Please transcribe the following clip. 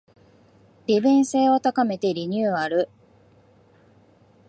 利便性を高めてリニューアル